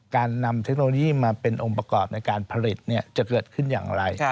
การนำเทคโนโลยีมาเป็นองค์ประกอบในการผลิตจะเกิดขึ้นอย่างไร